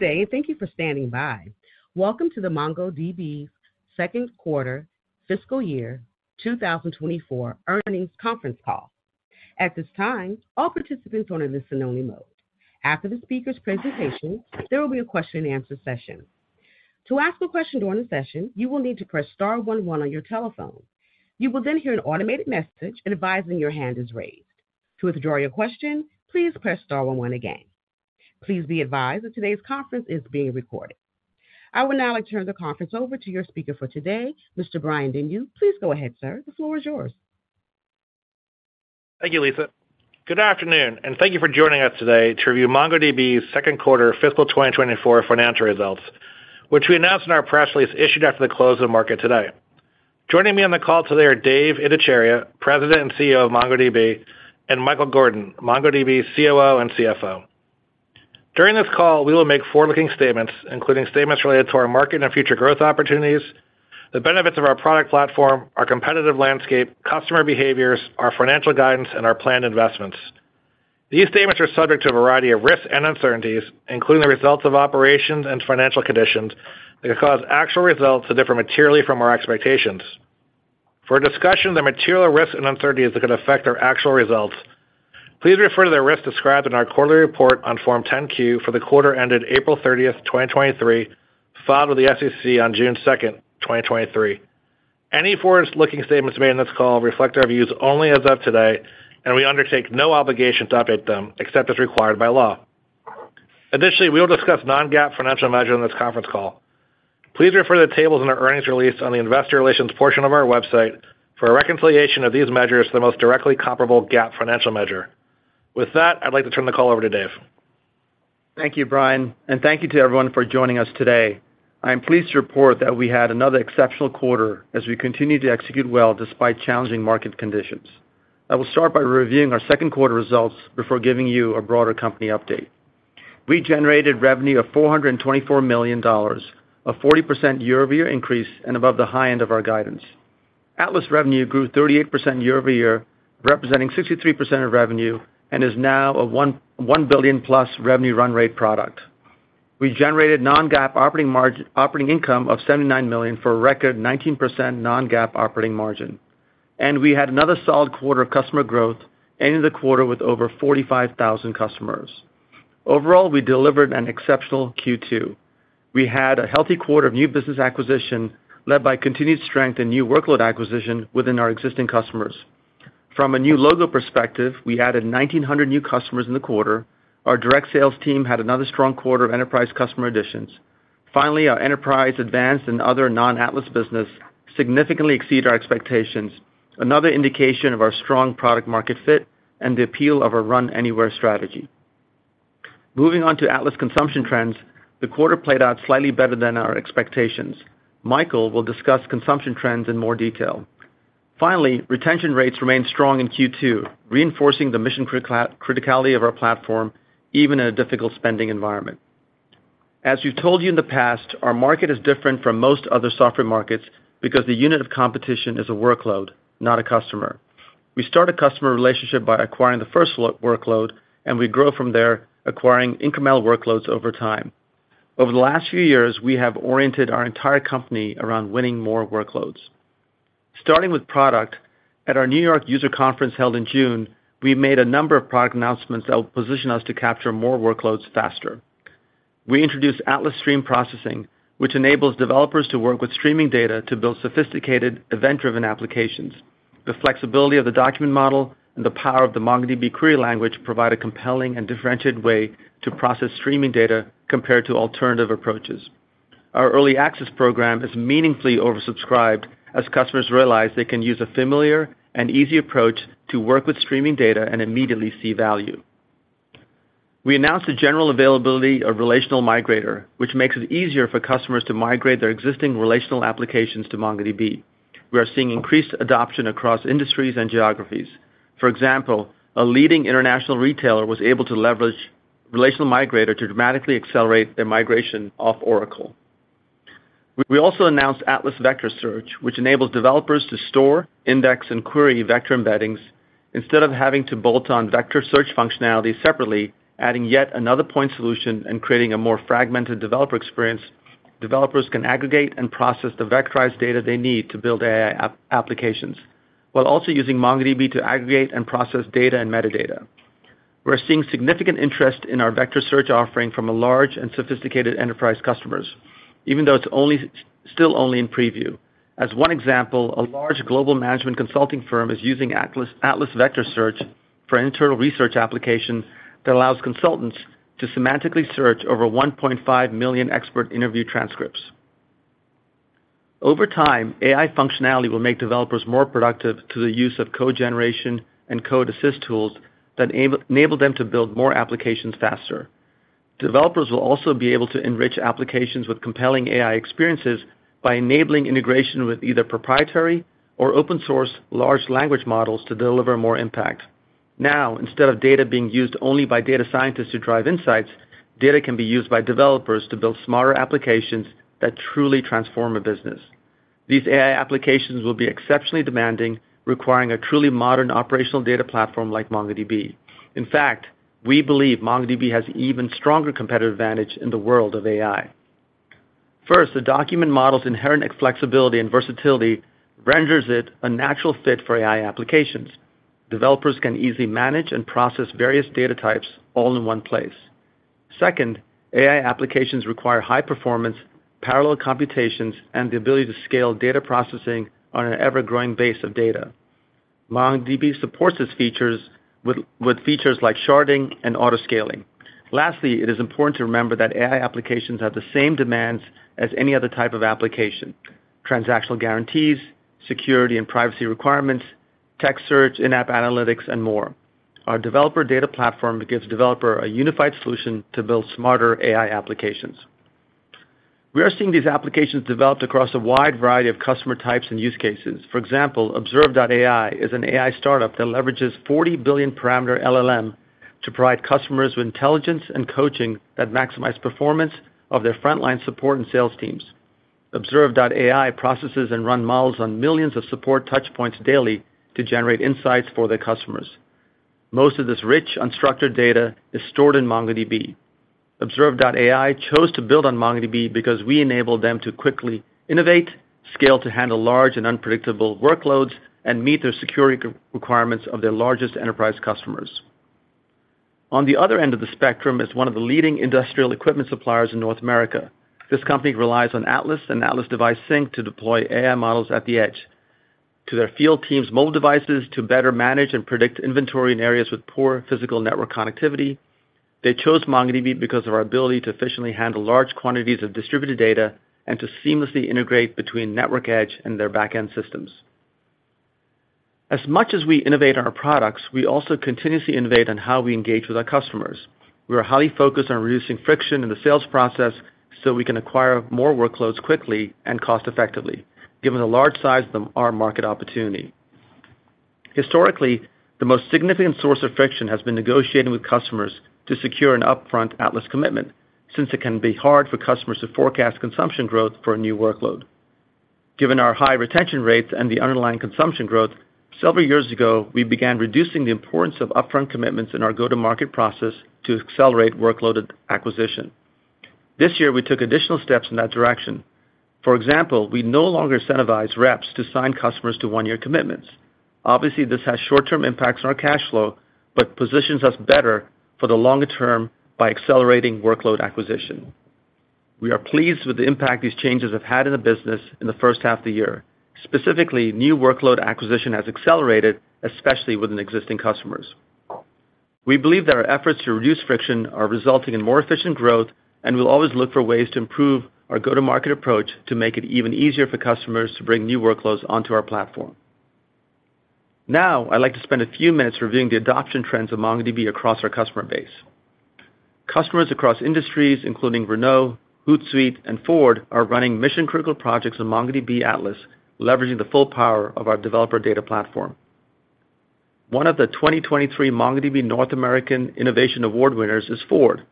Good day, and thank you for standing by. Welcome to the MongoDB's Second Quarter Fiscal Year 2024 Earnings Conference Call. At this time, all participants are in listen-only mode. After the speaker's presentation, there will be a question-and-answer session. To ask a question during the session, you will need to press star one one on your telephone. You will then hear an automated message advising your hand is raised. To withdraw your question, please press star one one again. Please be advised that today's conference is being recorded. I would now like to turn the conference over to your speaker for today, Mr. Brian Denyeau. Please go ahead, sir. The floor is yours. Thank you, Lisa. Good afternoon, and thank you for joining us today to review MongoDB's Second Quarter Fiscal 2024 Financial Results, which we announced in our press release issued after the close of the market today. Joining me on the call today are Dev Ittycheria, President and CEO of MongoDB, and Michael Gordon, MongoDB's COO and CFO. During this call, we will make forward-looking statements, including statements related to our market and future growth opportunities, the benefits of our product platform, our competitive landscape, customer behaviors, our financial guidance, and our planned investments. These statements are subject to a variety of risks and uncertainties, including the results of operations and financial conditions, that could cause actual results to differ materially from our expectations. For a discussion of the material risks and uncertainties that could affect our actual results, please refer to the risks described in our quarterly report on Form 10-Q for the quarter ended April 30th, 2023, filed with the SEC on June 2nd, 2023. Any forward-looking statements made in this call reflect our views only as of today, and we undertake no obligation to update them except as required by law. Additionally, we will discuss non-GAAP financial measures in this conference call. Please refer to the tables in our earnings release on the investor relations portion of our website for a reconciliation of these measures to the most directly comparable GAAP financial measure. With that, I'd like to turn the call over to Dev. Thank you, Brian, and thank you to everyone for joining us today. I am pleased to report that we had another exceptional quarter as we continued to execute well despite challenging market conditions. I will start by reviewing our second quarter results before giving you a broader company update. We generated revenue of $424 million, a 40% year-over-year increase and above the high end of our guidance. Atlas revenue grew 38% year-over-year, representing 63% of revenue, and is now a $1.1 billion-plus revenue run rate product. We generated non-GAAP operating margin- operating income of $79 million for a record 19% non-GAAP operating margin, and we had another solid quarter of customer growth, ending the quarter with over 45,000 customers. Overall, we delivered an exceptional Q2.We had a healthy quarter of new business acquisition, led by continued strength in new workload acquisition within our existing customers. From a new logo perspective, we added 1,900 new customers in the quarter. Our direct sales team had another strong quarter of enterprise customer additions. Finally, our Enterprise Advanced and other non-Atlas business significantly exceeded our expectations, another indication of our strong product market fit and the appeal of our Run Anywhere strategy. Moving on to Atlas consumption trends, the quarter played out slightly better than our expectations. Michael will discuss consumption trends in more detail. Finally, retention rates remained strong in Q2, reinforcing the mission criticality of our platform, even in a difficult spending environment. As we've told you in the past, our market is different from most other software markets because the unit of competition is a workload, not a customer. We start a customer relationship by acquiring the first workload, and we grow from there, acquiring incremental workloads over time. Over the last few years, we have oriented our entire company around winning more workloads. Starting with product, at our New York user conference held in June, we made a number of product announcements that will position us to capture more workloads faster. We introduced Atlas Stream Processing, which enables developers to work with streaming data to build sophisticated, event-driven applications. The flexibility of the document model and the power of the MongoDB query language provide a compelling and differentiated way to process streaming data compared to alternative approaches. Our early access program is meaningfully oversubscribed as customers realize they can use a familiar and easy approach to work with streaming data and immediately see value. We announced the general availability of Relational Migrator, which makes it easier for customers to migrate their existing relational applications to MongoDB. We are seeing increased adoption across industries and geographies. For example, a leading international retailer was able to leverage Relational Migrator to dramatically accelerate their migration off Oracle. We also announced Atlas Vector Search, which enables developers to store, index, and query vector embeddings. Instead of having to bolt on vector search functionality separately, adding yet another point solution and creating a more fragmented developer experience, developers can aggregate and process the vectorized data they need to build AI applications, while also using MongoDB to aggregate and process data and metadata. We're seeing significant interest in our vector search offering from a large and sophisticated enterprise customers, even though it's still only in preview. As one example, a large global management consulting firm is using Atlas, Atlas Vector Search for an internal research application that allows consultants to semantically search over 1.5 million expert interview transcripts. Over time, AI functionality will make developers more productive through the use of code generation and code assist tools that enable them to build more applications faster. Developers will also be able to enrich applications with compelling AI experiences by enabling integration with either proprietary or open-source large language models to deliver more impact. Now, instead of data being used only by data scientists to drive insights, data can be used by developers to build smarter applications that truly transform a business.... These AI applications will be exceptionally demanding, requiring a truly modern operational data platform like MongoDB. In fact, we believe MongoDB has even stronger competitive advantage in the world of AI.First, the document model's inherent flexibility and versatility renders it a natural fit for AI applications. Developers can easily manage and process various data types all in one place. Second, AI applications require high performance, parallel computations, and the ability to scale data processing on an ever-growing base of data. MongoDB supports these features with features like sharding and auto-scaling. Lastly, it is important to remember that AI applications have the same demands as any other type of application: transactional guarantees, security and privacy requirements, text search, in-app analytics, and more. Our developer data platform gives developer a unified solution to build smarter AI applications. We are seeing these applications developed across a wide variety of customer types and use cases. For example, Observe.AI is an AI startup that leverages 40 billion parameter LLM to provide customers with intelligence and coaching that maximize performance of their frontline support and sales teams. Observe.AI processes and run models on millions of support touch points daily to generate insights for their customers. Most of this rich, unstructured data is stored in MongoDB. Observe.AI chose to build on MongoDB because we enabled them to quickly innovate, scale to handle large and unpredictable workloads, and meet their security requirements of their largest enterprise customers. On the other end of the spectrum is one of the leading industrial equipment suppliers in North America. This company relies on Atlas and Atlas Device Sync to deploy AI models at the edge. To their field teams' mobile devices to better manage and predict inventory in areas with poor physical network connectivity, they chose MongoDB because of our ability to efficiently handle large quantities of distributed data and to seamlessly integrate between network edge and their backend systems. As much as we innovate on our products, we also continuously innovate on how we engage with our customers. We are highly focused on reducing friction in the sales process so we can acquire more workloads quickly and cost-effectively, given the large size of our market opportunity. Historically, the most significant source of friction has been negotiating with customers to secure an upfront Atlas commitment, since it can be hard for customers to forecast consumption growth for a new workload. Given our high retention rates and the underlying consumption growth, several years ago, we began reducing the importance of upfront commitments in our go-to-market process to accelerate workload acquisition. This year, we took additional steps in that direction. For example, we no longer incentivize reps to sign customers to one-year commitments. Obviously, this has short-term impacts on our cash flow, but positions us better for the longer term by accelerating workload acquisition. We are pleased with the impact these changes have had in the business in the first half of the year. Specifically, new workload acquisition has accelerated, especially within existing customers. We believe that our efforts to reduce friction are resulting in more efficient growth, and we'll always look for ways to improve our go-to-market approach to make it even easier for customers to bring new workloads onto our platform. Now, I'd like to spend a few minutes reviewing the adoption trends of MongoDB across our customer base. Customers across industries, including Renault, Hootsuite, and Ford, are running mission-critical projects on MongoDB Atlas, leveraging the full power of our developer data platform. One of the 2023 MongoDB North American Innovation Award winners is Ford.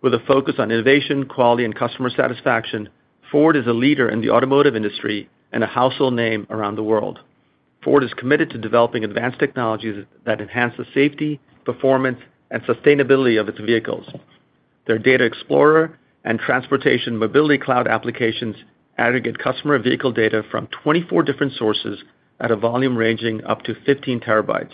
With a focus on innovation, quality, and customer satisfaction, Ford is a leader in the automotive industry and a household name around the world. Ford is committed to developing advanced technologies that enhance the safety, performance, and sustainability of its vehicles. Their Data Explorer and Transportation Mobility Cloud applications aggregate customer vehicle data from 24 different sources at a volume ranging up to 15 TB.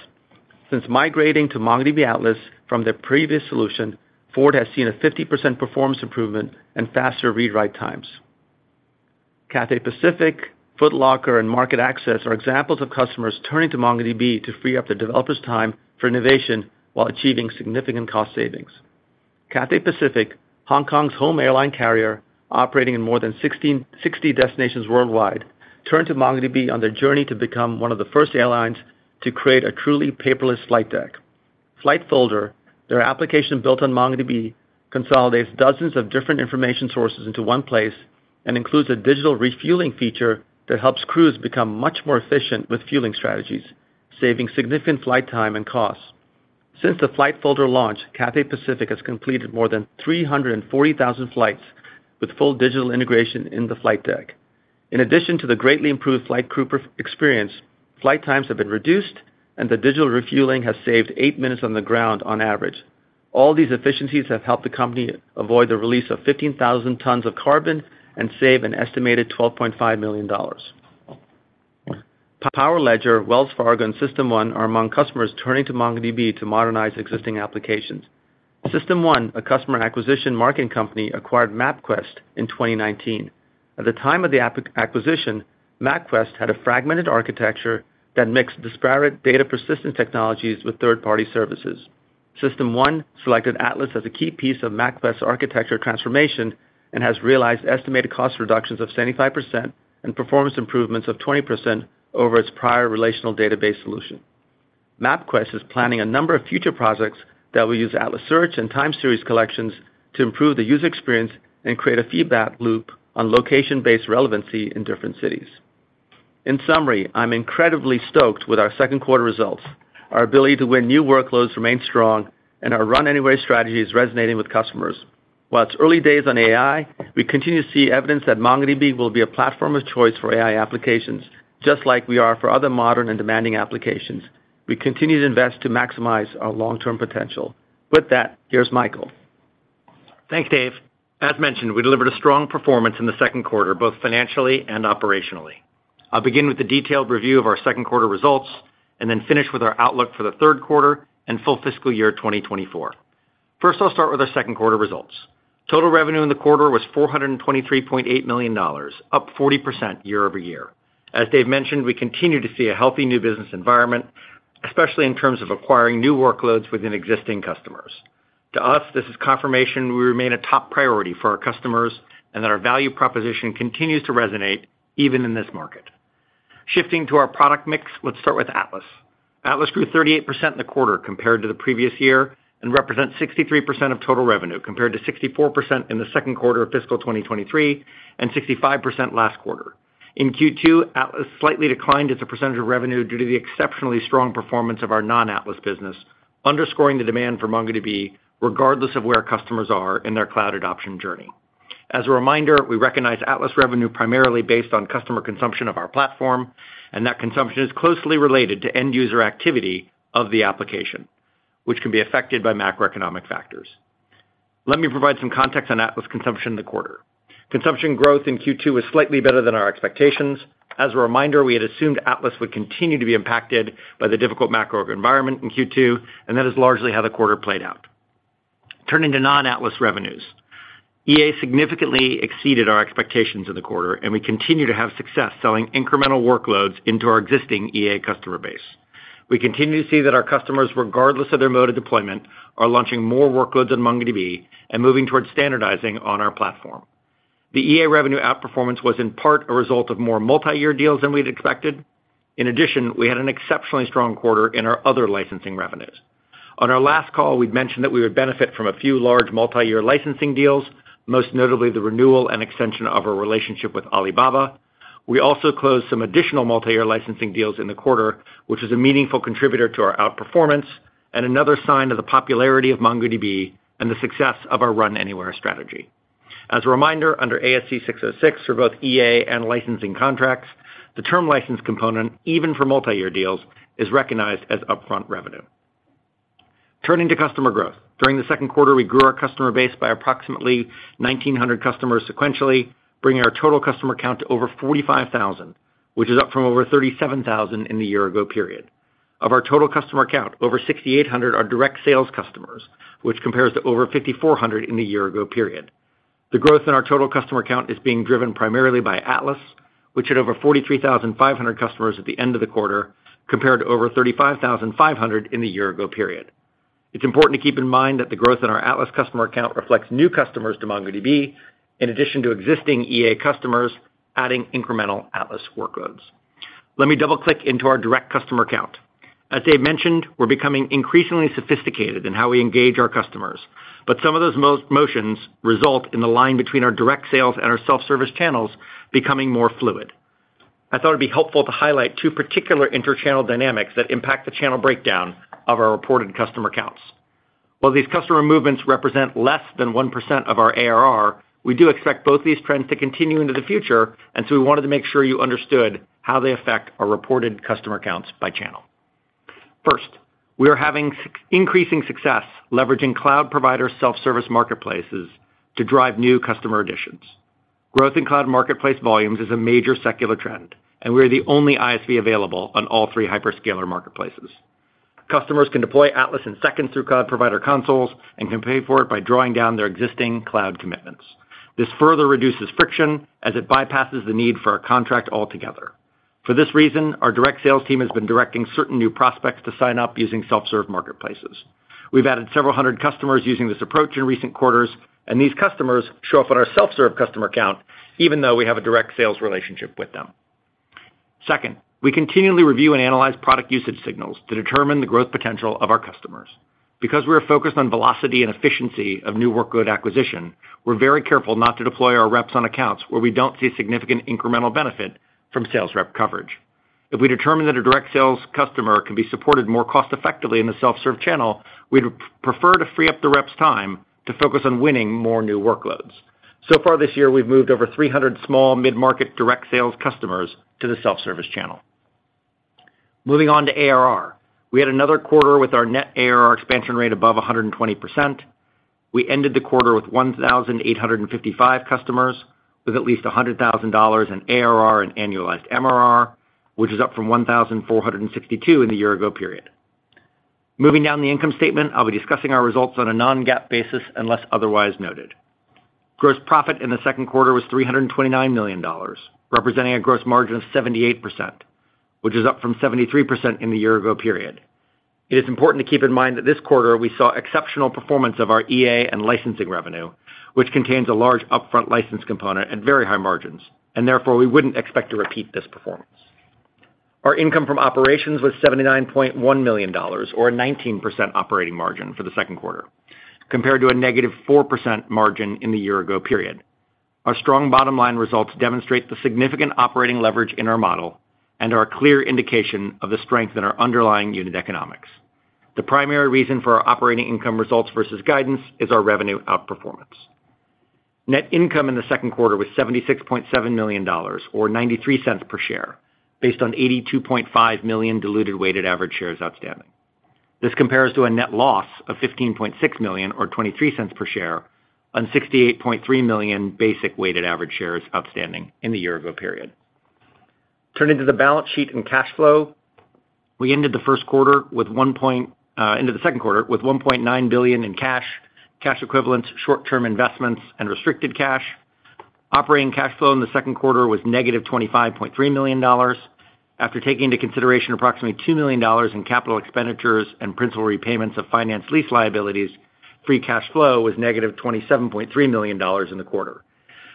Since migrating to MongoDB Atlas from their previous solution, Ford has seen a 50% performance improvement and faster read-write times. Cathay Pacific, Foot Locker, and MarketAxess are examples of customers turning to MongoDB to free up their developers' time for innovation while achieving significant cost savings. Cathay Pacific, Hong Kong's home airline carrier, operating in more than 60 destinations worldwide, turned to MongoDB on their journey to become one of the first airlines to create a truly paperless flight deck. Flight Folder, their application built on MongoDB, consolidates dozens of different information sources into one place and includes a digital refueling feature that helps crews become much more efficient with fueling strategies, saving significant flight time and costs. Since the Flight Folder launch, Cathay Pacific has completed more than 340,000 flights with full digital integration in the flight deck. In addition to the greatly improved flight crew personnel experience, flight times have been reduced, and the digital refueling has saved eight minutes on the ground on average. All these efficiencies have helped the company avoid the release of 15,000 tons of carbon and save an estimated $12.5 million. Powerledger, Wells Fargo, and System1 are among customers turning to MongoDB to modernize existing applications. System1, a customer acquisition marketing company, acquired MapQuest in 2019. At the time of the acquisition, MapQuest had a fragmented architecture that mixed disparate data persistent technologies with third-party services. System1 selected Atlas as a key piece of MapQuest's architecture transformation and has realized estimated cost reductions of 75% and performance improvements of 20% over its prior relational database solution. MapQuest is planning a number of future projects that will use Atlas Search and time series collections to improve the user experience and create a feedback loop on location-based relevancy in different cities. In summary, I'm incredibly stoked with our second quarter results. Our ability to win new workloads remains strong, and our Run Anywhere strategy is resonating with customers. While it's early days on AI, we continue to see evidence that MongoDB will be a platform of choice for AI applications, just like we are for other modern and demanding applications. We continue to invest to maximize our long-term potential. With that, here's Michael. Thanks, Dev. As mentioned, we delivered a strong performance in the second quarter, both financially and operationally. I'll begin with a detailed review of our second quarter results, and then finish with our outlook for the third quarter and full fiscal year 2024. First, I'll start with our second quarter results. Total revenue in the quarter was $423.8 million, up 40% year-over-year. As Dev mentioned, we continue to see a healthy new business environment, especially in terms of acquiring new workloads within existing customers. To us, this is confirmation we remain a top priority for our customers and that our value proposition continues to resonate even in this market. Shifting to our product mix, let's start with Atlas. Atlas grew 38% in the quarter compared to the previous year and represents 63% of total revenue, compared to 64% in the second quarter of fiscal 2023 and 65% last quarter. In Q2, Atlas slightly declined as a percentage of revenue due to the exceptionally strong performance of our non-Atlas business, underscoring the demand for MongoDB, regardless of where customers are in their cloud adoption journey. As a reminder, we recognize Atlas revenue primarily based on customer consumption of our platform, and that consumption is closely related to end-user activity of the application, which can be affected by macroeconomic factors. Let me provide some context on Atlas consumption in the quarter. Consumption growth in Q2 was slightly better than our expectations. As a reminder, we had assumed Atlas would continue to be impacted by the difficult macro environment in Q2, and that is largely how the quarter played out. Turning to non-Atlas revenues. EA significantly exceeded our expectations in the quarter, and we continue to have success selling incremental workloads into our existing EA customer base. We continue to see that our customers, regardless of their mode of deployment, are launching more workloads on MongoDB and moving towards standardizing on our platform. The EA revenue outperformance was, in part, a result of more multi-year deals than we'd expected. In addition, we had an exceptionally strong quarter in our other licensing revenues. On our last call, we'd mentioned that we would benefit from a few large multi-year licensing deals, most notably the renewal and extension of our relationship with Alibaba. We also closed some additional multi-year licensing deals in the quarter, which is a meaningful contributor to our outperformance and another sign of the popularity of MongoDB and the success of our Run Anywhere strategy. As a reminder, under ASC 606 for both EA and licensing contracts, the term license component, even for multi-year deals, is recognized as upfront revenue. Turning to customer growth. During the second quarter, we grew our customer base by approximately 1,900 customers sequentially, bringing our total customer count to over 45,000, which is up from over 37,000 in the year ago period. Of our total customer count, over 6,800 are direct sales customers, which compares to over 5,400 in the year ago period. The growth in our total customer count is being driven primarily by Atlas, which had over 43,500 customers at the end of the quarter, compared to over 35,500 in the year ago period. It's important to keep in mind that the growth in our Atlas customer count reflects new customers to MongoDB, in addition to existing EA customers, adding incremental Atlas workloads. Let me double-click into our direct customer count. As Dev mentioned, we're becoming increasingly sophisticated in how we engage our customers, but some of those motions result in the line between our direct sales and our self-service channels becoming more fluid. I thought it'd be helpful to highlight two particular interchannel dynamics that impact the channel breakdown of our reported customer counts. While these customer movements represent less than 1% of our ARR, we do expect both these trends to continue into the future, and so we wanted to make sure you understood how they affect our reported customer counts by channel. First, we are having increasing success leveraging cloud provider self-service marketplaces to drive new customer additions. Growth in cloud marketplace volumes is a major secular trend, and we are the only ISV available on all three hyperscaler marketplaces. Customers can deploy Atlas in seconds through cloud provider consoles and can pay for it by drawing down their existing cloud commitments. This further reduces friction as it bypasses the need for a contract altogether. For this reason, our direct sales team has been directing certain new prospects to sign up using self-serve marketplaces. We've added several hundred customers using this approach in recent quarters, and these customers show up on our self-serve customer count, even though we have a direct sales relationship with them. Second, we continually review and analyze product usage signals to determine the growth potential of our customers. Because we are focused on velocity and efficiency of new workload acquisition, we're very careful not to deploy our reps on accounts where we don't see significant incremental benefit from sales rep coverage. If we determine that a direct sales customer can be supported more cost-effectively in the self-serve channel, we'd prefer to free up the rep's time to focus on winning more new workloads. So far this year, we've moved over 300 small mid-market direct sales customers to the self-service channel. Moving on to ARR.We had another quarter with our net ARR expansion rate above 120%. We ended the quarter with 1,855 customers, with at least $100,000 in ARR and annualized MRR, which is up from 1,462 in the year ago period. Moving down the income statement, I'll be discussing our results on a non-GAAP basis unless otherwise noted. Gross profit in the second quarter was $329 million, representing a gross margin of 78%, which is up from 73% in the year ago period. It is important to keep in mind that this quarter, we saw exceptional performance of our EA and licensing revenue, which contains a large upfront license component at very high margins, and therefore, we wouldn't expect to repeat this performance. Our income from operations was $79.1 million, or a 19% operating margin for the second quarter, compared to a -4% margin in the year ago period. Our strong bottom line results demonstrate the significant operating leverage in our model and are a clear indication of the strength in our underlying unit economics. The primary reason for our operating income results versus guidance is our revenue outperformance. Net income in the second quarter was $76.7 million, or $0.93 per share, based on 82.5 million diluted weighted average shares outstanding. This compares to a net loss of $15.6 million, or $0.23 per share, on 68.3 million basic weighted average shares outstanding in the year ago period. Turning to the balance sheet and cash flow. We ended the first quarter with $1.9 billion into the second quarter with $1.9 billion in cash, cash equivalents, short-term investments, and restricted cash. Operating cash flow in the second quarter was negative $25.3 million. After taking into consideration approximately $2 million in capital expenditures and principal repayments of finance lease liabilities, free cash flow was negative $27.3 million in the quarter.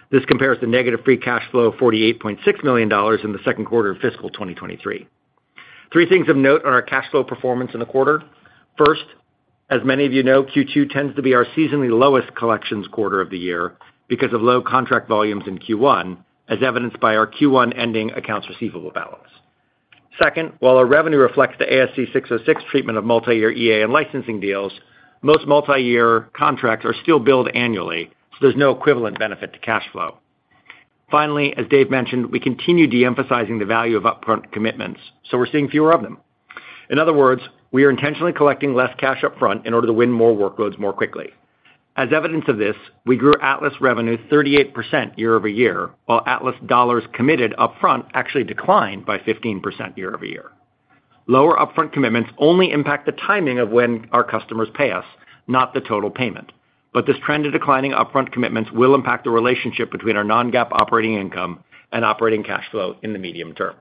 This compares to negative free cash flow of $48.6 million in the second quarter of fiscal 2023. Three things of note on our cash flow performance in the quarter. First, as many of you know, Q2 tends to be our seasonally lowest collections quarter of the year because of low contract volumes in Q1, as evidenced by our Q1 ending accounts receivable balance. Second, while our revenue reflects the ASC 606 treatment of multiyear EA and licensing deals, most multiyear contracts are still billed annually, so there's no equivalent benefit to cash flow. Finally, as Dev mentioned, we continue de-emphasizing the value of upfront commitments, so we're seeing fewer of them. In other words, we are intentionally collecting less cash upfront in order to win more workloads more quickly. As evidence of this, we grew Atlas revenue 38% year-over-year, while Atlas dollars committed upfront actually declined by 15% year-over-year. Lower upfront commitments only impact the timing of when our customers pay us, not the total payment. But this trend of declining upfront commitments will impact the relationship between our non-GAAP operating income and operating cash flow in the medium term.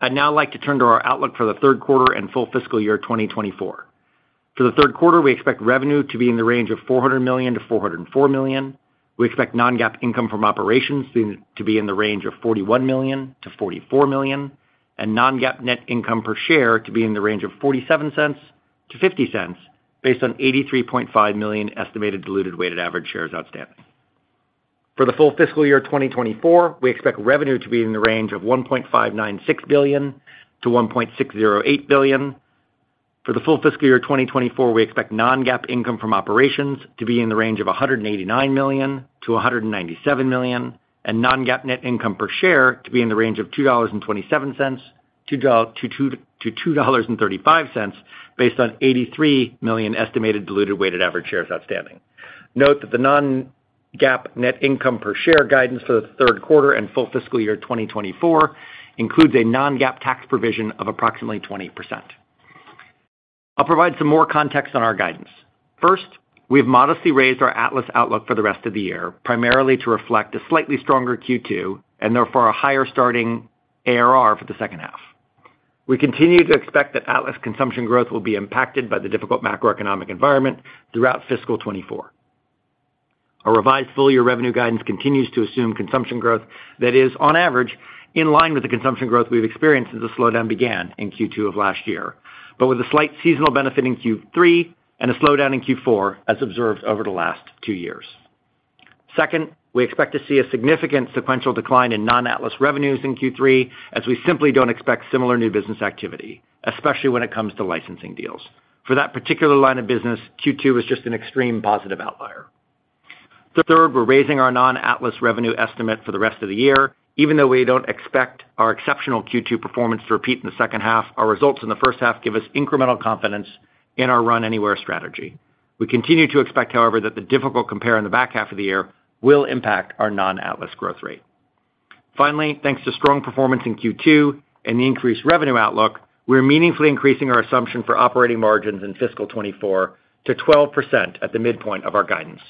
I'd now like to turn to our outlook for the third quarter and full fiscal year 2024. For the third quarter, we expect revenue to be in the range of $400 million-$404 million. We expect non-GAAP income from operations to be in the range of $41 million-$44 million, and non-GAAP net income per share to be in the range of $0.47-$0.50, based on 83.5 million estimated diluted weighted average shares outstanding. For the full fiscal year 2024, we expect revenue to be in the range of $1.596 billion-$1.608 billion. For the full fiscal year 2024, we expect non-GAAP income from operations to be in the range of $189 million-$197 million, and non-GAAP net income per share to be in the range of $2.27-$2.35, based on 83 million estimated diluted weighted average shares outstanding. Note that the non-GAAP net income per share guidance for the third quarter and full fiscal year 2024 includes a non-GAAP tax provision of approximately 20%. I'll provide some more context on our guidance. First, we've modestly raised our Atlas outlook for the rest of the year, primarily to reflect a slightly stronger Q2 and therefore a higher starting ARR for the second half. We continue to expect that Atlas consumption growth will be impacted by the difficult macroeconomic environment throughout fiscal 2024. Our revised full-year revenue guidance continues to assume consumption growth that is, on average, in line with the consumption growth we've experienced since the slowdown began in Q2 of last year, but with a slight seasonal benefit in Q3 and a slowdown in Q4, as observed over the last two years. Second, we expect to see a significant sequential decline in non-Atlas revenues in Q3, as we simply don't expect similar new business activity, especially when it comes to licensing deals. For that particular line of business, Q2 was just an extreme positive outlier. Third, we're raising our non-Atlas revenue estimate for the rest of the year. Even though we don't expect our exceptional Q2 performance to repeat in the second half, our results in the first half give us incremental confidence in our Run Anywhere strategy. We continue to expect, however, that the difficult compare in the back half of the year will impact our non-Atlas growth rate. Finally, thanks to strong performance in Q2 and the increased revenue outlook, we are meaningfully increasing our assumption for operating margins in fiscal 2024 to 12% at the midpoint of our guidance,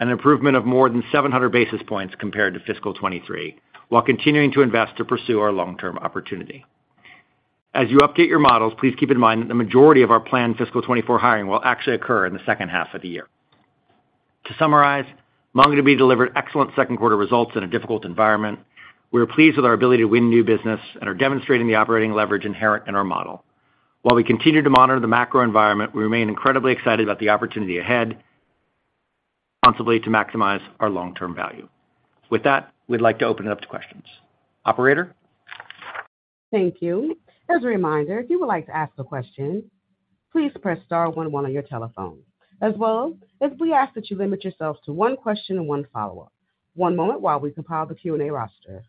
an improvement of more than 700 basis points compared to fiscal 2023, while continuing to invest to pursue our long-term opportunity. As you update your models, please keep in mind that the majority of our planned fiscal 2024 hiring will actually occur in the second half of the year. To summarize, MongoDB delivered excellent second quarter results in a difficult environment. We are pleased with our ability to win new business and are demonstrating the operating leverage inherent in our model. While we continue to monitor the macro environment, we remain incredibly excited about the opportunity ahead, responsibly to maximize our long-term value. With that, we'd like to open it up to questions. Operator? Thank you. As a reminder, if you would like to ask a question, please press star one one on your telephone, as well as we ask that you limit yourselves to one question and one follow-up. One moment while we compile the Q&A roster.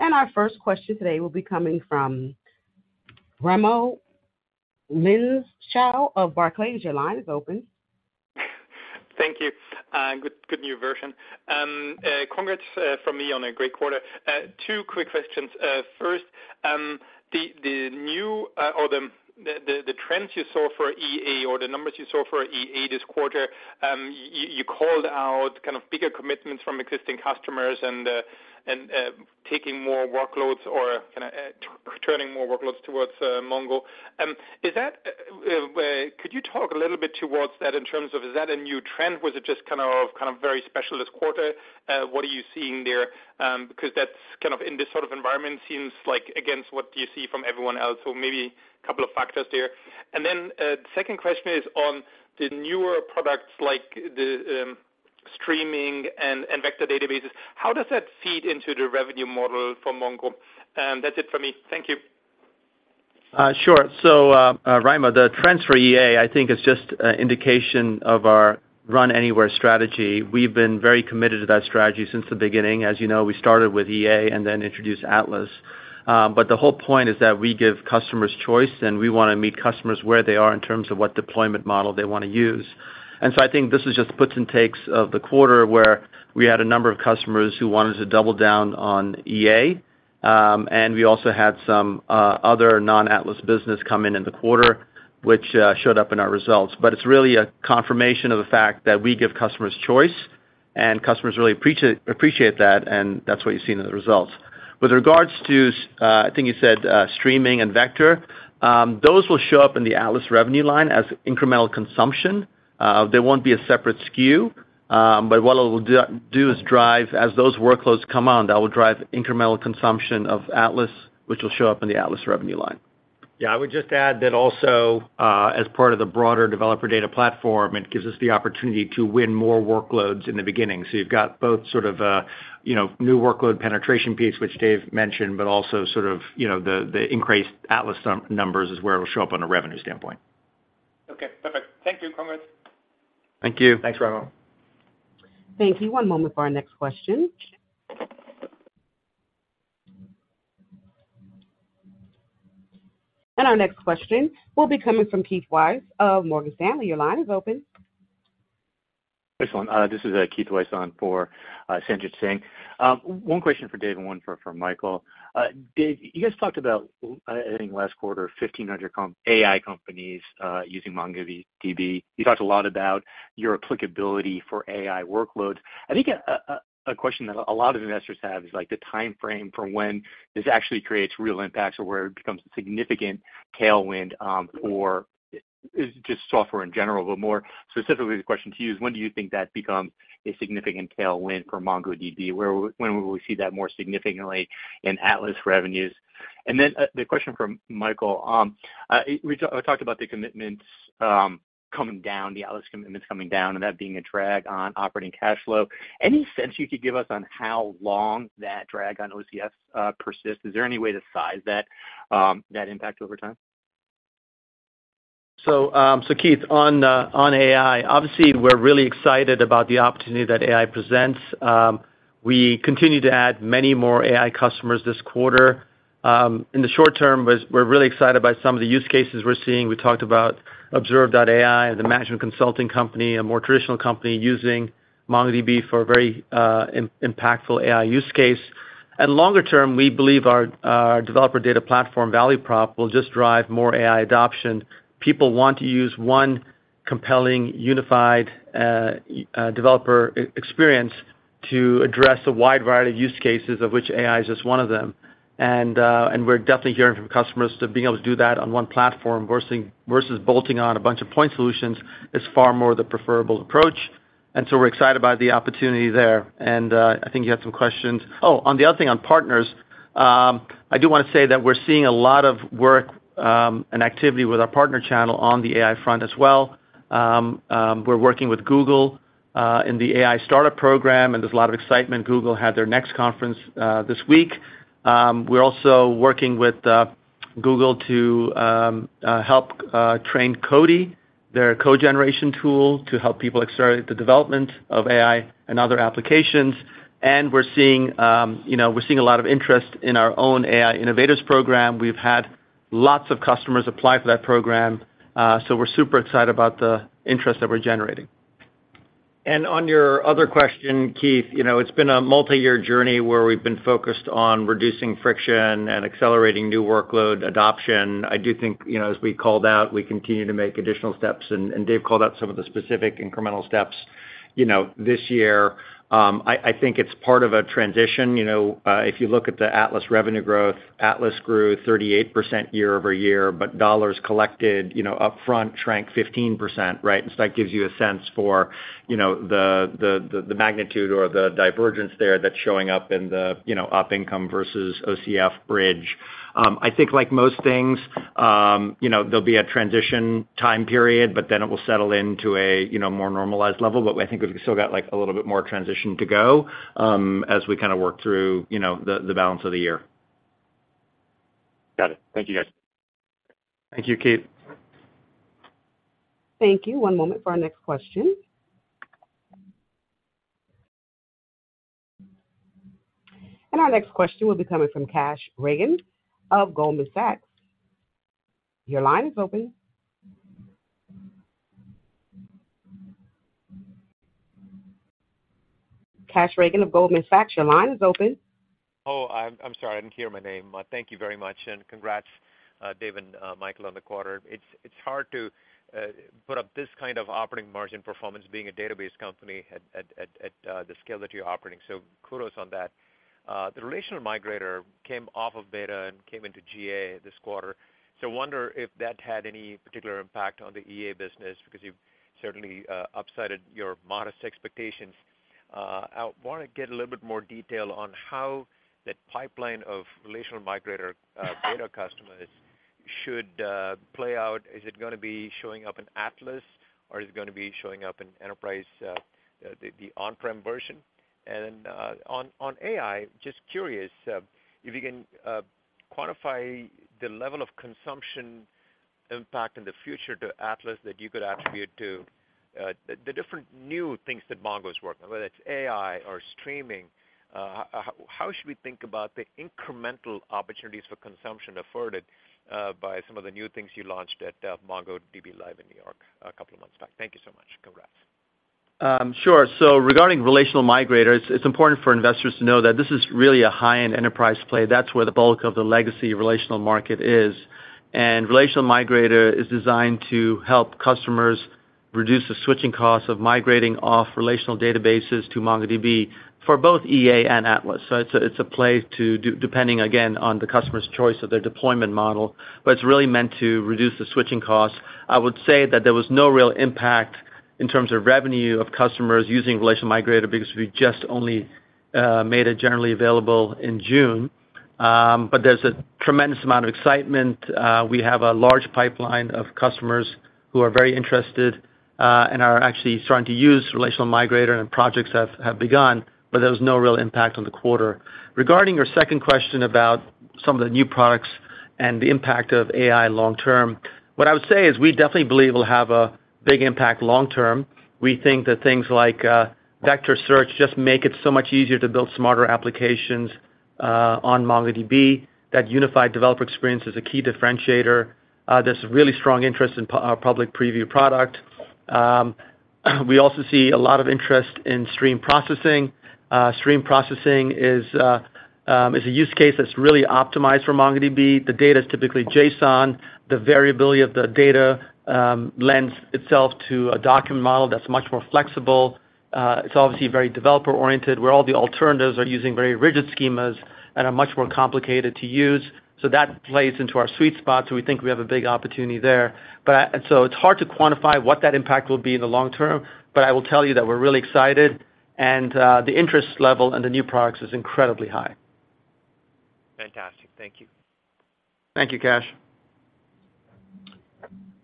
And our first question today will be coming from Raimo Lenschow of Barclays. Your line is open. Thank you, and good, good new version. Congrats from me on a great quarter. Two quick questions. First, the new or the trends you saw for EA or the numbers you saw for EA this quarter, you called out kind of bigger commitments from existing customers and taking more workloads or kind of turning more workloads towards Mongo. Is that, could you talk a little bit towards that in terms of, is that a new trend? Was it just kind of very special this quarter? What are you seeing there? Because that's kind of in this sort of environment seems like against what you see from everyone else. So maybe a couple of factors there. And then, second question is on the newer products like the streaming and vector databases. How does that feed into the revenue model for Mongo? That's it for me. Thank you. Sure. So, Raimo, the trends for EA, I think is just an indication of our Run Anywhere strategy. We've been very committed to that strategy since the beginning. As you know, we started with EA and then introduced Atlas. But the whole point is that we give customers choice, and we wanna meet customers where they are in terms of what deployment model they wanna use. And so I think this is just puts and takes of the quarter, where we had a number of customers who wanted to double down on EA, and we also had some other non-Atlas business come in in the quarter, which showed up in our results. But it's really a confirmation of the fact that we give customers choice, and customers really appreciate, appreciate that, and that's what you're seeing in the results. With regards to, I think you said, streaming and vector, those will show up in the Atlas revenue line as incremental consumption. They won't be a separate SKU, but what it will do is drive—as those workloads come on, that will drive incremental consumption of Atlas, which will show up in the Atlas revenue line. Yeah, I would just add that also, as part of the broader developer data platform, it gives us the opportunity to win more workloads in the beginning. So you've got both sort of a, you know, new workload penetration piece, which Dev mentioned, but also sort of, you know, the increased Atlas numbers is where it will show up on a revenue standpoint. Okay, perfect. Thank you. Congrats. Thank you. Thanks, Raimo. Thank you. One moment for our next question. Our next question will be coming from Keith Weiss of Morgan Stanley. Your line is open. Excellent. This is Keith Weiss on for Sanjit Singh. One question for Dev and one for Michael. Dev, you guys talked about, I think last quarter, 1,500 AI companies using MongoDB. You talked a lot about your applicability for AI workloads. I think a question that a lot of investors have is, like, the timeframe for when this actually creates real impacts or where it becomes a significant tailwind for... Is it just software in general, but more specifically, the question to you is: When do you think that becomes a significant tailwind for MongoDB? When will we see that more significantly in Atlas revenues? And then, the question from Michael: We talked about the commitments coming down, the Atlas commitments coming down and that being a drag on operating cash flow. Any sense you could give us on how long that drag on OCF persists? Is there any way to size that impact over time? So, Keith, on AI, obviously we're really excited about the opportunity that AI presents. We continue to add many more AI customers this quarter. In the short term, we're really excited by some of the use cases we're seeing. We talked about Observe.AI, the management consulting company, a more traditional company, using MongoDB for a very impactful AI use case. And longer term, we believe our developer data platform value prop will just drive more AI adoption. People want to use one compelling, unified developer experience to address a wide variety of use cases, of which AI is just one of them. And we're definitely hearing from customers to being able to do that on one platform, versus bolting on a bunch of point solutions, is far more the preferable approach, and so we're excited about the opportunity there. And I think you had some questions. Oh, on the other thing, on partners, I do wanna say that we're seeing a lot of work and activity with our partner channel on the AI front as well. We're working with Google in the AI startup program, and there's a lot of excitement. Google had their Next conference this week. We're also working with Google to help train Codey, their code generation tool, to help people accelerate the development of AI and other applications. We're seeing, you know, we're seeing a lot of interest in our own AI Innovators Program. We've had lots of customers apply for that program, so we're super excited about the interest that we're generating. On your other question, Keith, you know, it's been a multi-year journey where we've been focused on reducing friction and accelerating new workload adoption. I do think, you know, as we called out, we continue to make additional steps, and Dev called out some of the specific incremental steps. You know, this year, I think it's part of a transition. You know, if you look at the Atlas revenue growth, Atlas grew 38% year-over-year, but dollars collected, you know, upfront, shrank 15%, right? So that gives you a sense for, you know, the magnitude or the divergence there that's showing up in the, you know, op income versus OCF bridge. I think like most things, you know, there'll be a transition time period, but then it will settle into a, you know, more normalized level. But I think we've still got, like, a little bit more transition to go, as we kinda work through, you know, the balance of the year. Got it. Thank you, guys. Thank you, Keith. Thank you. One moment for our next question. Our next question will be coming from Kash Rangan of Goldman Sachs. Your line is open. Kash Rangan of Goldman Sachs, your line is open. Oh, I'm sorry, I didn't hear my name. Thank you very much, and congrats, Dev and Michael, on the quarter. It's hard to put up this kind of operating margin performance, being a database company at the scale that you're operating. So kudos on that. The Relational Migrator came off of beta and came into GA this quarter. So I wonder if that had any particular impact on the EA business, because you've certainly upsided your modest expectations. I want to get a little bit more detail on how that pipeline of Relational Migrator beta customers should play out. Is it gonna be showing up in Atlas, or is it gonna be showing up in enterprise, the on-prem version? On AI, just curious if you can quantify the level of consumption impact in the future to Atlas that you could attribute to the different new things that Mongo is working, whether it's AI or streaming, how should we think about the incremental opportunities for consumption afforded by some of the new things you launched at MongoDB Live in New York a couple of months back? Thank you so much. Congrats. Sure. So regarding Relational Migrator, it's important for investors to know that this is really a high-end enterprise play. That's where the bulk of the legacy relational market is. And Relational Migrator is designed to help customers reduce the switching costs of migrating off relational databases to MongoDB for both EA and Atlas. So it's a play to depending, again, on the customer's choice of their deployment model, but it's really meant to reduce the switching costs. I would say that there was no real impact in terms of revenue of customers using Relational Migrator because we just only made it generally available in June. But there's a tremendous amount of excitement. We have a large pipeline of customers who are very interested, and are actually starting to use Relational Migrator, and projects have begun, but there was no real impact on the quarter. Regarding your second question about some of the new products and the impact of AI long term, what I would say is we definitely believe it will have a big impact long term. We think that things like vector search just make it so much easier to build smarter applications on MongoDB. That unified developer experience is a key differentiator. There's a really strong interest in our public preview product. We also see a lot of interest in stream processing. Stream processing is a use case that's really optimized for MongoDB. The data is typically JSON.The variability of the data lends itself to a document model that's much more flexible. It's obviously very developer-oriented, where all the alternatives are using very rigid schemas and are much more complicated to use. So that plays into our sweet spot, so we think we have a big opportunity there. And so it's hard to quantify what that impact will be in the long term, but I will tell you that we're really excited, and the interest level in the new products is incredibly high. Fantastic. Thank you. Thank you, Kash.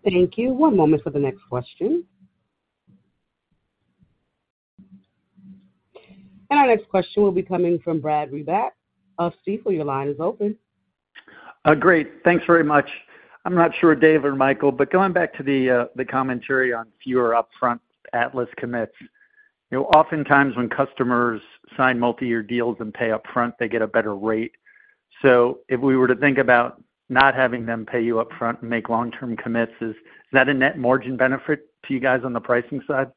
Thank you. One moment for the next question. Our next question will be coming from Brad Reback of Stifel. Your line is open. Great. Thanks very much. I'm not sure, Dev or Michael, but going back to the commentary on fewer upfront Atlas commits, you know, oftentimes when customers sign multi-year deals and pay upfront, they get a better rate. So if we were to think about not having them pay you upfront and make long-term commits, is that a net margin benefit to you guys on the pricing side?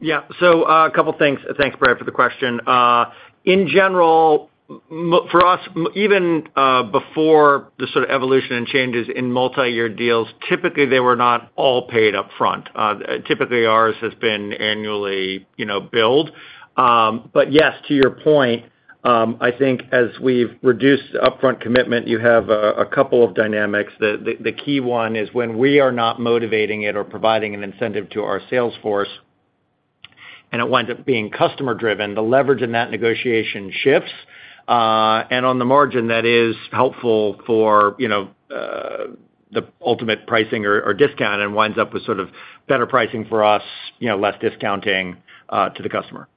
Yeah. So, a couple things. Thanks, Brad, for the question. In general, for us, even before the sort of evolution and changes in multi-year deals, typically, they were not all paid upfront. Typically, ours has been annually, you know, billed. But yes, to your point, I think as we've reduced upfront commitment, you have a couple of dynamics. The key one is when we are not motivating it or providing an incentive to our sales force, and it winds up being customer-driven, the leverage in that negotiation shifts. And on the margin, that is helpful for, you know, the ultimate pricing or discount and winds up with sort of better pricing for us, you know, less discounting to the customer.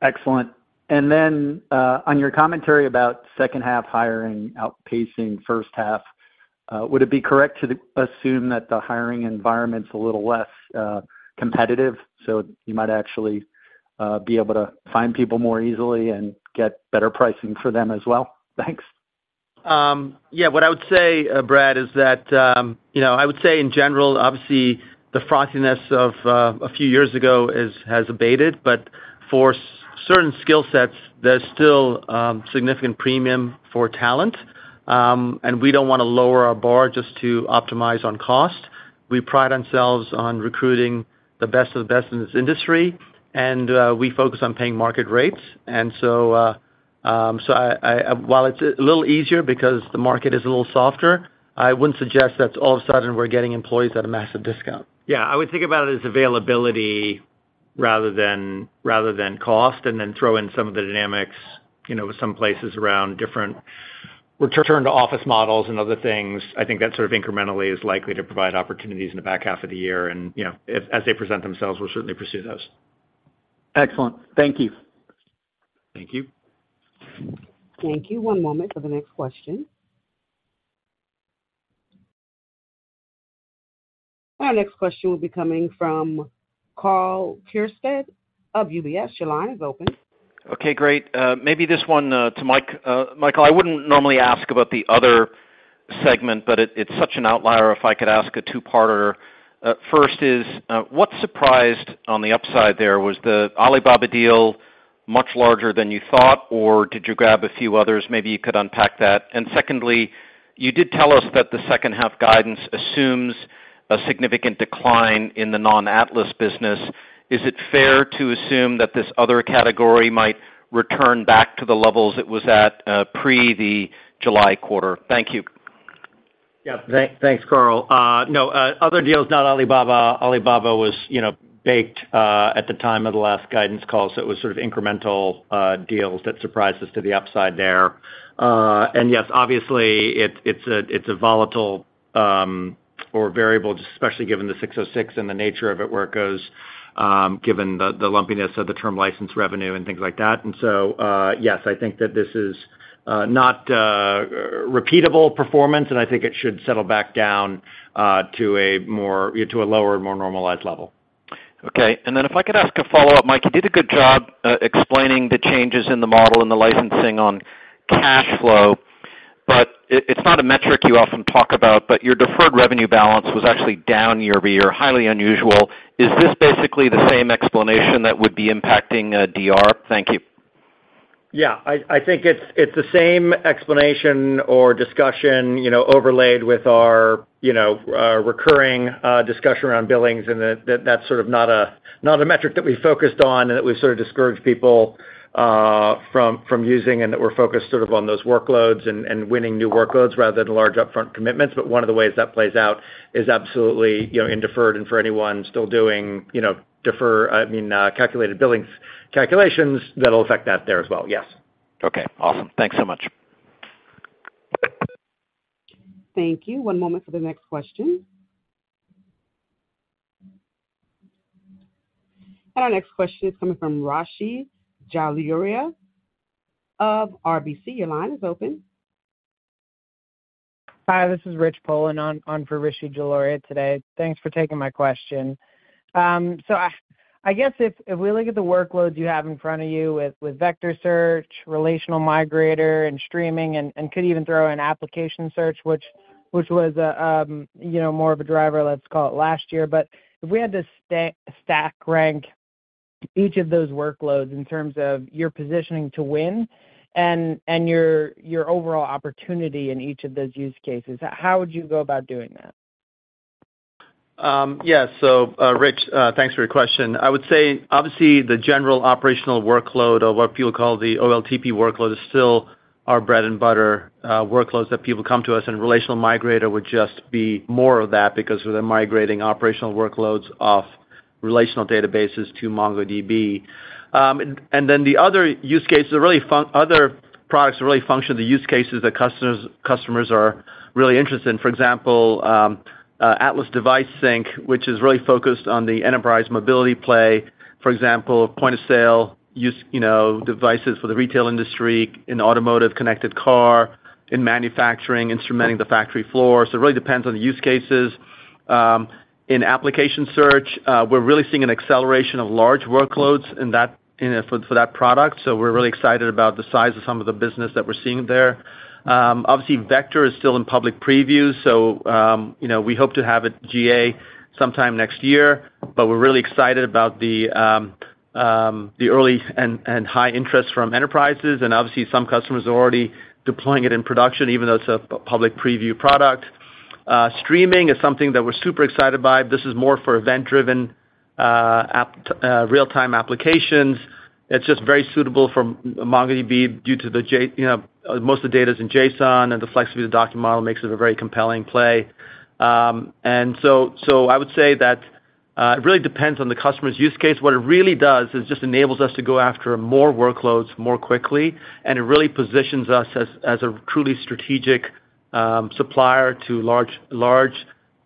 Excellent. Then, on your commentary about second half hiring outpacing first half, would it be correct to assume that the hiring environment's a little less competitive, so you might actually be able to find people more easily and get better pricing for them as well? Thanks. Yeah, what I would say, Brad, is that, you know, I would say in general, obviously, the frothiness of a few years ago has abated, but for certain skill sets, there's still significant premium for talent. And we don't want to lower our bar just to optimize on cost. We pride ourselves on recruiting the best of the best in this industry, and we focus on paying market rates. And so, while it's a little easier because the market is a little softer, I wouldn't suggest that all of a sudden, we're getting employees at a massive discount. Yeah, I would think about it as availability rather than cost, and then throw in some of the dynamics, you know, with some places around different return to office models and other things. I think that sort of incrementally is likely to provide opportunities in the back half of the year, and, you know, as they present themselves, we'll certainly pursue those. Excellent. Thank you. Thank you. Thank you. One moment for the next question. Our next question will be coming from Karl Keirstead of UBS. Your line is open. Okay, great. Maybe this one to Mike. Michael, I wouldn't normally ask about the other segment, but it, it's such an outlier. If I could ask a two-parter. First is, what surprised on the upside there? Was the Alibaba deal much larger than you thought, or did you grab a few others? Maybe you could unpack that. And secondly, you did tell us that the second half guidance assumes a significant decline in the non-Atlas business. Is it fair to assume that this other category might return back to the levels it was at, pre the July quarter? Thank you. Yeah. Thanks, Karl. No, other deals, not Alibaba. Alibaba was, you know, baked at the time of the last guidance call, so it was sort of incremental deals that surprised us to the upside there. And yes, obviously, it's a, it's a volatile or variable, especially given the 606 and the nature of it, where it goes, given the lumpiness of the term license revenue and things like that. And so, yes, I think that this is not repeatable performance, and I think it should settle back down to a lower, more normalized level. Okay. And then if I could ask a follow-up, Mike, you did a good job explaining the changes in the model and the licensing on cash flow, but it's not a metric you often talk about, but your deferred revenue balance was actually down year-over-year. Highly unusual. Is this basically the same explanation that would be impacting DR? Thank you. Yeah, I think it's the same explanation or discussion, you know, overlaid with our recurring discussion around billings, and that's sort of not a metric that we focused on and that we've sort of discouraged people from using and that we're focused on those workloads and winning new workloads rather than large upfront commitments. But one of the ways that plays out is absolutely, you know, in deferred, and for anyone still doing, you know, deferred, I mean, calculated billings calculations, that'll affect that there as well. Yes. Okay, awesome. Thanks so much. Thank you. One moment for the next question. Our next question is coming from Rishi Jaluria of RBC. Your line is open. Hi, this is Rich Poland on for Rishi Jaluria today. Thanks for taking my question. So I guess if we look at the workloads you have in front of you with vector search, relational migrator and streaming, and could even throw in application search, which was, you know, more of a driver, let's call it last year. But if we had to stack rank each of those workloads in terms of your positioning to win and your overall opportunity in each of those use cases, how would you go about doing that? Yeah. So, Rich, thanks for your question. I would say, obviously, the general operational workload, or what people call the OLTP workload, is still our bread and butter, workloads that people come to us, and Relational Migrator would just be more of that because they're migrating operational workloads off relational databases to MongoDB. And then the other use cases, other products that really function, the use cases that customers, customers are really interested in, for example, Atlas Device Sync, which is really focused on the enterprise mobility play. For example, point-of-sale use, you know, devices for the retail industry, in automotive, connected car, in manufacturing, instrumenting the factory floor. So it really depends on the use cases. In application search, we're really seeing an acceleration of large workloads in that, you know, for that product, so we're really excited about the size of some of the business that we're seeing there. Obviously, Vector is still in public preview, so, you know, we hope to have it GA sometime next year. But we're really excited about the early and high interest from enterprises. And obviously, some customers are already deploying it in production, even though it's a public preview product. Streaming is something that we're super excited by. This is more for event-driven app real-time applications. It's just very suitable for MongoDB due to the JSON, you know, most of the data is in JSON, and the flexibility of the document model makes it a very compelling play. So I would say that it really depends on the customer's use case. What it really does is just enables us to go after more workloads more quickly, and it really positions us as a truly strategic supplier to large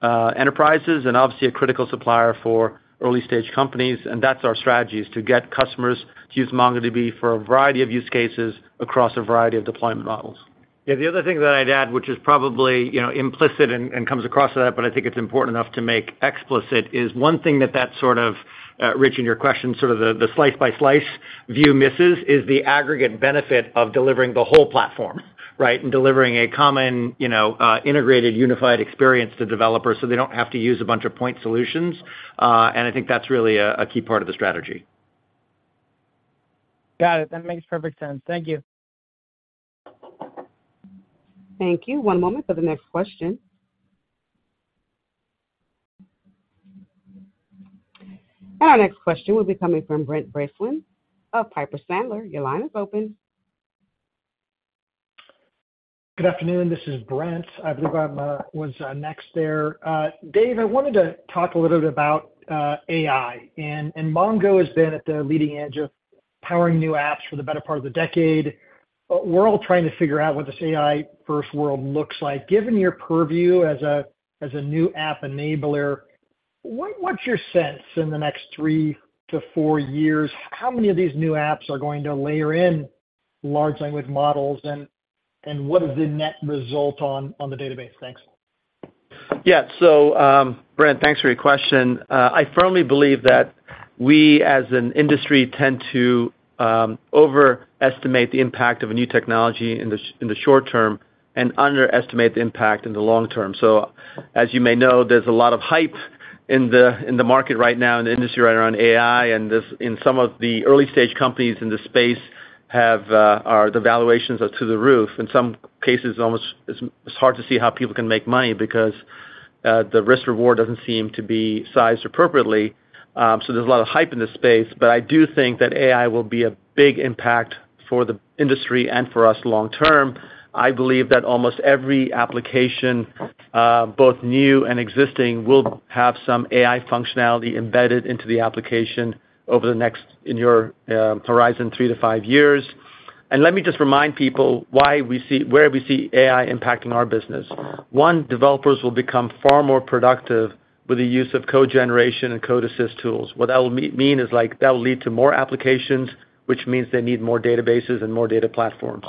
enterprises and obviously a critical supplier for early-stage companies. And that's our strategy, is to get customers to use MongoDB for a variety of use cases across a variety of deployment models. Yeah, the other thing that I'd add, which is probably, you know, implicit and comes across that, but I think it's important enough to make explicit, is one thing that sort of, Rich, in your question, sort of the slice-by-slice view misses, is the aggregate benefit of delivering the whole platform, right? And delivering a common, you know, integrated, unified experience to developers so they don't have to use a bunch of point solutions. And I think that's really a key part of the strategy. Got it. That makes perfect sense. Thank you. Thank you. One moment for the next question. Our next question will be coming from Brent Bracelin of Piper Sandler. Your line is open. Good afternoon. This is Brent. I believe I'm next there. Dev, I wanted to talk a little bit about AI, and Mongo has been at the leading edge of powering new apps for the better part of the decade. But we're all trying to figure out what this AI-first world looks like. Given your purview as a new app enabler, what's your sense in the next 3-4 years, how many of these new apps are going to layer in large language models, and what is the net result on the database? Thanks. Yeah. So, Brent, thanks for your question. I firmly believe that we, as an industry, tend to overestimate the impact of a new technology in the short term and underestimate the impact in the long term. So as you may know, there's a lot of hype in the, in the market right now, in the industry, right around AI, and this, in some of the early-stage companies in this space have the valuations are through the roof. In some cases, almost it's, it's hard to see how people can make money because the risk-reward doesn't seem to be sized appropriately. So there's a lot of hype in this space, but I do think that AI will be a big impact for the industry and for us long term.I believe that almost every application, both new and existing, will have some AI functionality embedded into the application over the next 3-5 year horizon. And let me just remind people why we see where we see AI impacting our business. One, developers will become far more productive with the use of code generation and code assist tools. What that will mean is like that will lead to more applications, which means they need more databases and more data platforms.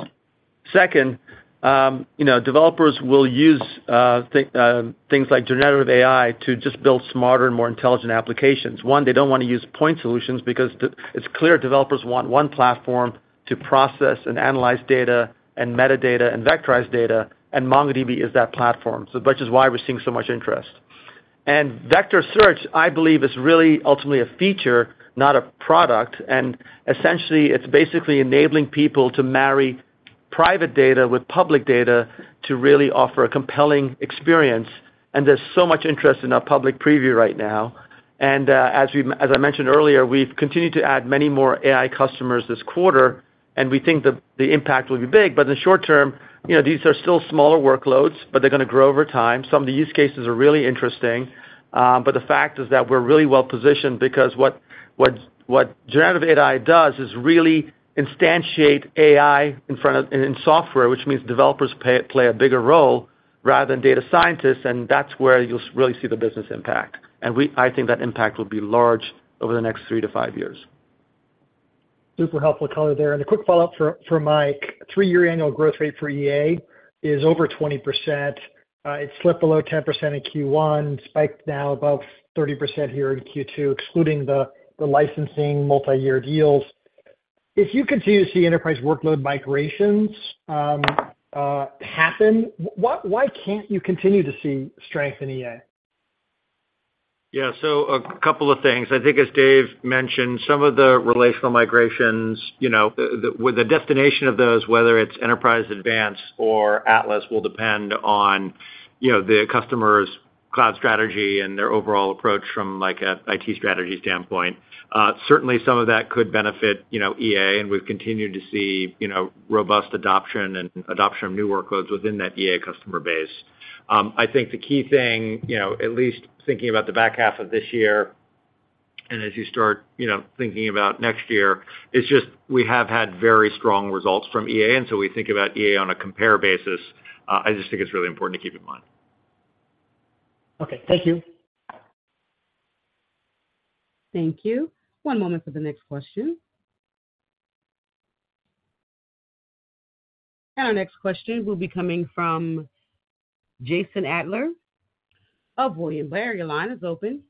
Second, you know, developers will use things like generative AI to just build smarter and more intelligent applications. One, they don't wanna use point solutions because it's clear developers want one platform to process and analyze data and metadata and vectorize data, and MongoDB is that platform, so which is why we're seeing so much interest. Vector search, I believe, is really ultimately a feature, not a product. Essentially, it's basically enabling people to marry private data with public data to really offer a compelling experience, and there's so much interest in our public preview right now. As I mentioned earlier, we've continued to add many more AI customers this quarter, and we think the impact will be big. But in the short term, you know, these are still smaller workloads, but they're gonna grow over time. Some of the use cases are really interesting, but the fact is that we're really well positioned because what generative AI does is really instantiate AI in front [inaudible] of in software, which means developers play a bigger role rather than data scientists, and that's where you'll really see the business impact.I think that impact will be large over the next 3-5 years. Super helpful color there. A quick follow-up for Mike. three-year annual growth rate for EA is over 20%. It slipped below 10% in Q1, spiked now above 30% here in Q2, excluding the licensing multiyear deals. If you continue to see enterprise workload migrations happen, why can't you continue to see strength in EA? Yeah, so a couple of things. I think, as Dev mentioned, some of the relational migrations, you know, with the destination of those, whether it's Enterprise Advanced or Atlas, will depend on, you know, the customer's cloud strategy and their overall approach from, like, a IT strategy standpoint. Certainly, some of that could benefit, you know, EA, and we've continued to see, you know, robust adoption of new workloads within that EA customer base. I think the key thing, you know, at least thinking about the back half of this year and as you start, you know, thinking about next year, is just we have had very strong results from EA, and so we think about EA on a compare basis. I just think it's really important to keep in mind. Okay. Thank you. Thank you. One moment for the next question. Our next question will be coming from Jason Ader of William Blair. Your line is open.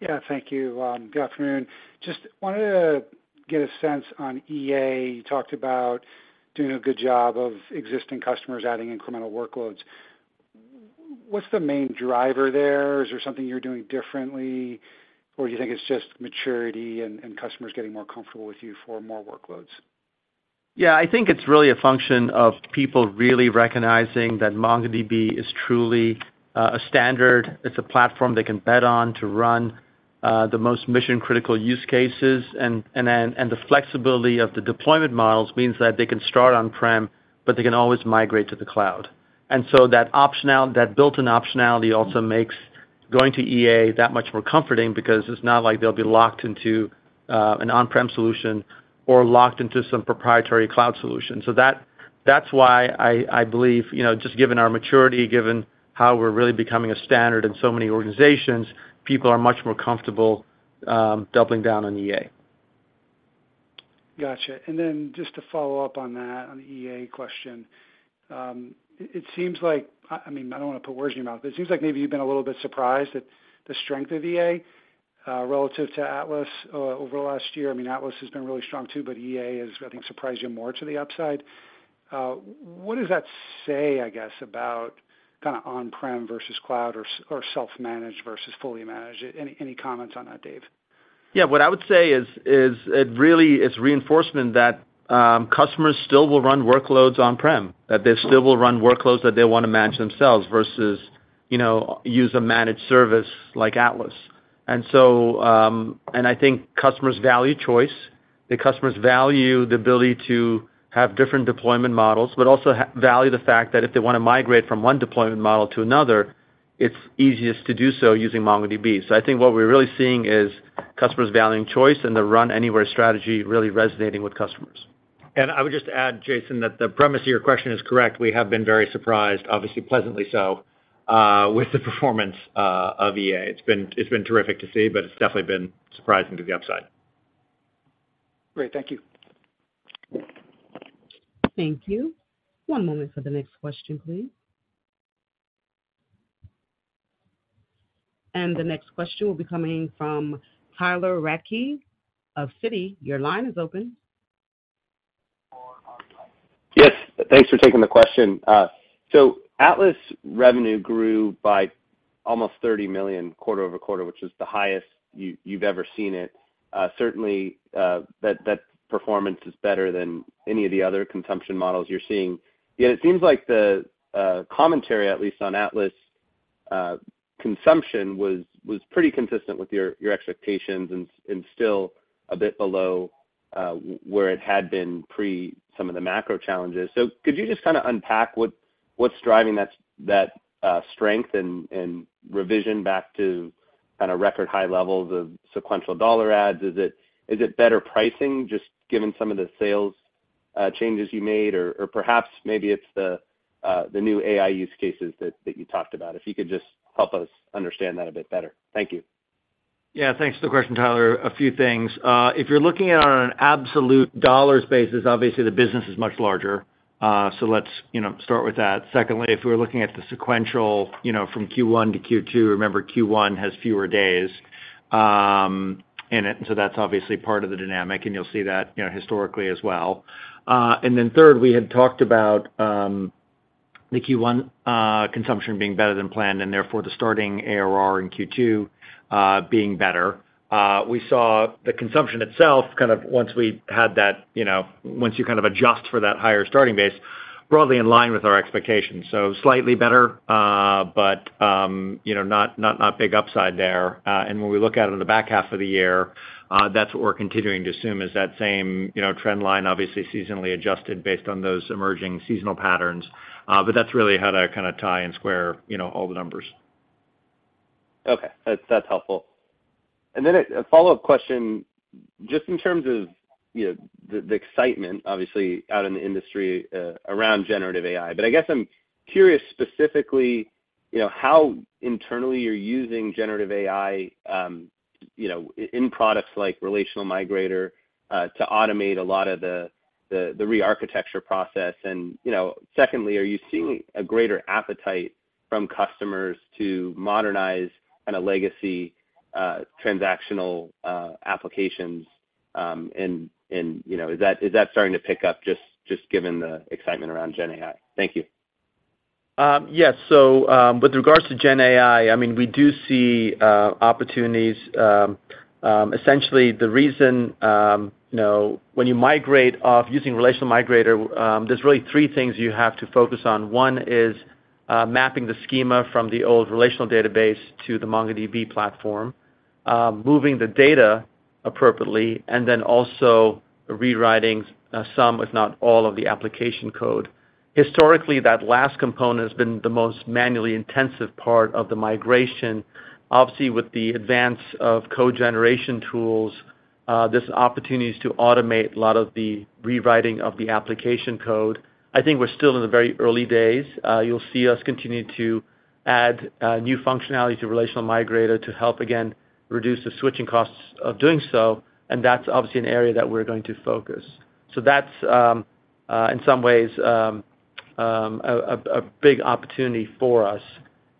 Yeah, thank you. Good afternoon. Just wanted to get a sense on EA. You talked about doing a good job of existing customers adding incremental workloads. What's the main driver there? Is there something you're doing differently, or do you think it's just maturity and customers getting more comfortable with you for more workloads? Yeah, I think it's really a function of people really recognizing that MongoDB is truly a standard. It's a platform they can bet on to run the most mission-critical use cases, and, and then, and the flexibility of the deployment models means that they can start on-prem, but they can always migrate to the cloud. And so that built-in optionality also makes going to EA that much more comforting because it's not like they'll be locked into an on-prem solution or locked into some proprietary cloud solution. So that, that's why I, I believe, you know, just given our maturity, given how we're really becoming a standard in so many organizations, people are much more comfortable doubling down on EA. Gotcha. And then just to follow up on that, on the EA question, it seems like... I mean, I don't want to put words in your mouth, but it seems like maybe you've been a little bit surprised at the strength of EA relative to Atlas over the last year. I mean, Atlas has been really strong too, but EA has, I think, surprised you more to the upside. What does that say, I guess, about kinda on-prem versus cloud or self-managed versus fully managed? Any comments on that, Dev? Yeah, what I would say is it really is reinforcement that customers still will run workloads on-prem, that they still will run workloads that they want to manage themselves versus, you know, use a managed service like Atlas. And so, and I think customers value choice, the customers value the ability to have different deployment models, but also value the fact that if they want to migrate from one deployment model to another, it's easiest to do so using MongoDB. So I think what we're really seeing is customers valuing choice and the run-anywhere strategy really resonating with customers. I would just add, Jason, that the premise of your question is correct. We have been very surprised, obviously pleasantly so, with the performance of EA. It's been terrific to see, but it's definitely been surprising to the upside. Great. Thank you. Thank you. One moment for the next question, please. The next question will be coming from Tyler Radke of Citi. Your line is open. Yes, thanks for taking the question. So Atlas revenue grew by almost $30 million quarter over quarter, which is the highest you've ever seen it. Certainly, that performance is better than any of the other consumption models you're seeing. Yet it seems like the commentary, at least on Atlas consumption, was pretty consistent with your expectations and still a bit below where it had been pre some of the macro challenges. So could you just kind of unpack what's driving that strength and revision back to kind of record high levels of sequential dollar adds? Is it better pricing, just given some of the sales changes you made? Or perhaps maybe it's the new AI use cases that you talked about. If you could just help us understand that a bit better. Thank you. Yeah, thanks for the question, Tyler. A few things. If you're looking at it on an absolute dollar basis, obviously the business is much larger. So let's, you know, start with that. Secondly, if we're looking at the sequential, you know, from Q1-Q2, remember, Q1 has fewer days in it, so that's obviously part of the dynamic, and you'll see that, you know, historically as well. And then third, we had talked about the Q1 consumption being better than planned, and therefore, the starting ARR in Q2 being better. We saw the consumption itself, kind of once we had that, you know, once you kind of adjust for that higher starting base, broadly in line with our expectations. So slightly better, but you know, not, not, not big upside there. And when we look at it in the back half of the year, that's what we're continuing to assume, is that same, you know, trend line, obviously seasonally adjusted based on those emerging seasonal patterns. But that's really how to kind of tie and square, you know, all the numbers. Okay, that's, that's helpful. And then a follow-up question. Just in terms of, you know, the excitement, obviously, out in the industry, around generative AI. But I guess I'm curious specifically, you know, how internally you're using generative AI, you know, in products like Relational Migrator, to automate a lot of the rearchitecture process. And, you know, secondly, are you seeing a greater appetite from customers to modernize on a legacy, transactional applications? And, you know, is that starting to pick up just given the excitement around GenAI? Thank you. Yes, so, with regards to GenAI, I mean, we do see opportunities. Essentially the reason, you know, when you migrate off using Relational Migrator, there's really three things you have to focus on. One is mapping the schema from the old relational database to the MongoDB platform. Moving the data appropriately, and then also rewriting some, if not all, of the application code. Historically, that last component has been the most manually intensive part of the migration. Obviously, with the advance of code generation tools, there's opportunities to automate a lot of the rewriting of the application code. I think we're still in the very early days. You'll see us continue to add new functionality to Relational Migrator to help, again, reduce the switching costs of doing so, and that's obviously an area that we're going to focus. So that's in some ways a big opportunity for us.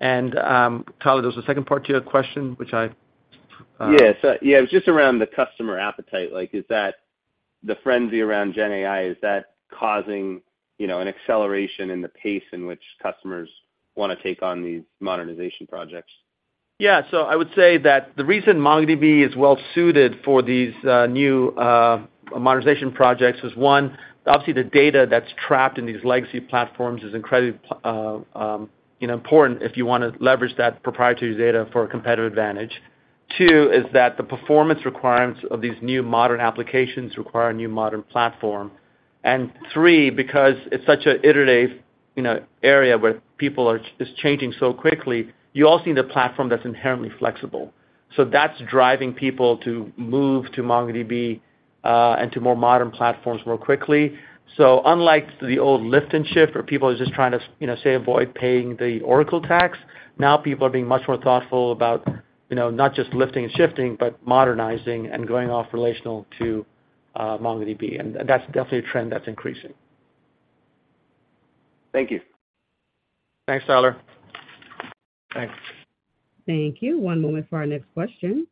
And Tyler, there's a second part to your question, which I- Yes. Yeah, it was just around the customer appetite. Like, is that the frenzy around GenAI, is that causing, you know, an acceleration in the pace in which customers want to take on these modernization projects? Yeah. So I would say that the reason MongoDB is well suited for these new modernization projects is, one, obviously the data that's trapped in these legacy platforms is incredibly, you know, important if you want to leverage that proprietary data for a competitive advantage. Two, is that the performance requirements of these new modern applications require a new modern platform. And three, because it's such an iterative, you know, area where people are, it's changing so quickly, you also need a platform that's inherently flexible. So that's driving people to move to MongoDB and to more modern platforms more quickly. So unlike the old lift and shift, where people are just trying to, you know, say, avoid paying the Oracle tax, now people are being much more thoughtful about, you know, not just lifting and shifting, but modernizing and going off relational to MongoDB. And that's definitely a trend that's increasing. Thank you. Thanks, Tyler. Thanks. Thank you. One moment for our next question.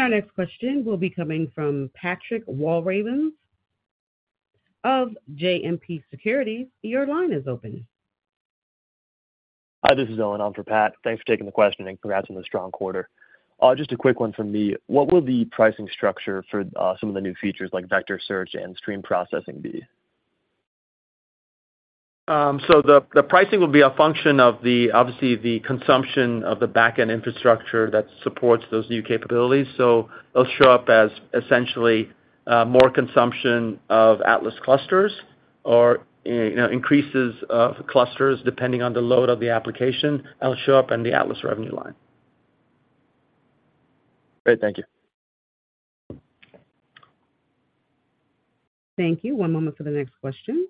Our next question will be coming from Patrick Walravens of JMP Securities. Your line is open. Hi, this is Owen on for Pat. Thanks for taking the question, and congrats on the strong quarter. Just a quick one from me: What will the pricing structure for some of the new features, like Vector Search and Stream Processing, be? So the pricing will be a function of, obviously, the consumption of the backend infrastructure that supports those new capabilities. So they'll show up as essentially, more consumption of Atlas clusters or, you know, increases of clusters, depending on the load of the application. That'll show up in the Atlas revenue line. Great. Thank you. Thank you. One moment for the next question....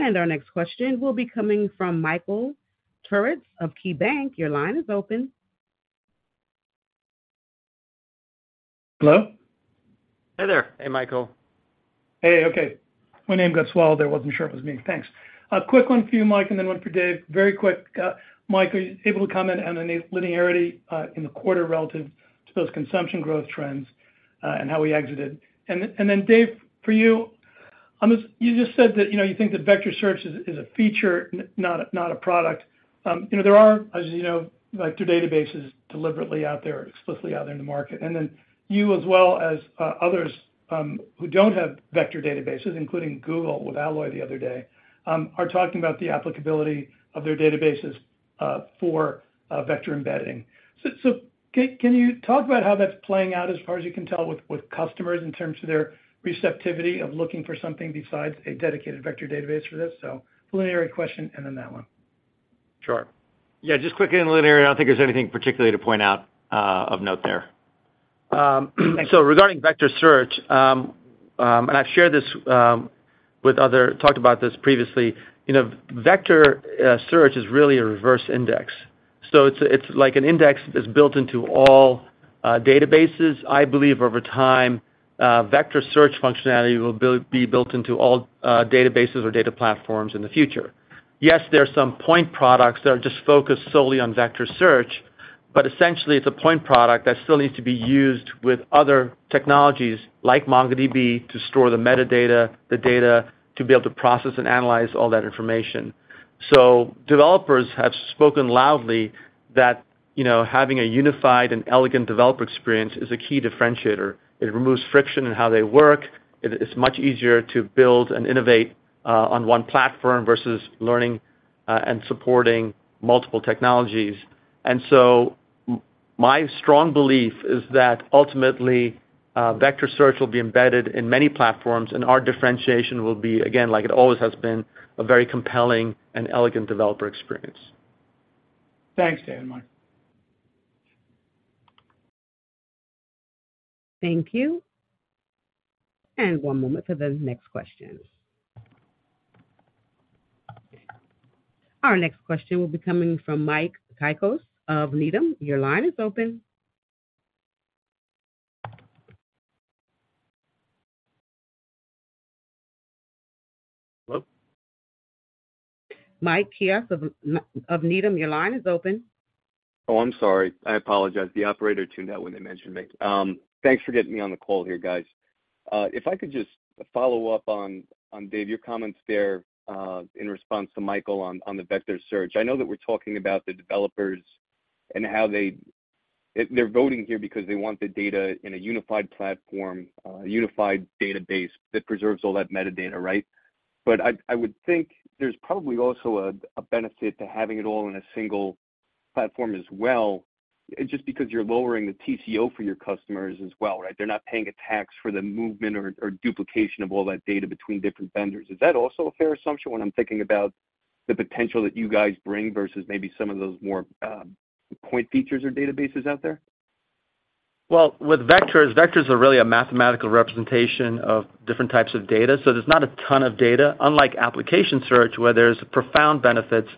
And our next question will be coming from Michael Turits of KeyBanc. Your line is open. Hello? Hi there. Hey, Michael. Hey, okay. My name got swallowed there. I wasn't sure it was me. Thanks. A quick one for you, Mike, and then one for Dev. Very quick, Mike, are you able to comment on the linearity in the quarter relative to those consumption growth trends, and how we exited? And then Dev, for you, you just said that, you know, you think that vector search is a feature, not a product. You know, there are, as you know, like, two databases deliberately out there, explicitly out there in the market. And then you as well as others who don't have vector databases, including Google with AlloyDB the other day, are talking about the applicability of their databases for vector embedding. So, can you talk about how that's playing out as far as you can tell, with customers in terms of their receptivity of looking for something besides a dedicated vector database for this? So, linear question and then that one. Sure. Yeah, just quickly, in linear, I don't think there's anything particularly to point out of note there. Um...So regarding vector search, and I've shared this with other... Talked about this previously. You know, vector search is really a reverse index, so it's, it's like an index that's built into all databases. I believe over time, vector search functionality will be built into all databases or data platforms in the future. Yes, there are some point products that are just focused solely on vector search, but essentially it's a point product that still needs to be used with other technologies like MongoDB, to store the metadata, the data, to be able to process and analyze all that information. So developers have spoken loudly that, you know, having a unified and elegant developer experience is a key differentiator. It removes friction in how they work. It is much easier to build and innovate on one platform versus learning and supporting multiple technologies. And so my strong belief is that ultimately vector search will be embedded in many platforms, and our differentiation will be, again, like it always has been, a very compelling and elegant developer experience. Thanks, Dev and Mike. Thank you. One moment for the next question. Our next question will be coming from Mike Cikos of Needham. Your line is open. Hello? Mike Cikos of Needham, your line is open. Oh, I'm sorry. I apologize. The operator tuned out when they mentioned me. Thanks for getting me on the call here, guys. If I could just follow up on Dev's comments there in response to Michael on the vector search. I know that we're talking about the developers and how they're voting here because they want the data in a unified platform, a unified database that preserves all that metadata, right? But I would think there's probably also a benefit to having it all in a single platform as well, just because you're lowering the TCO for your customers as well, right? They're not paying a tax for the movement or duplication of all that data between different vendors. Is that also a fair assumption when I'm thinking about the potential that you guys bring versus maybe some of those more, point features or databases out there? Well, with vectors, vectors are really a mathematical representation of different types of data, so there's not a ton of data, unlike application search, where there's profound benefits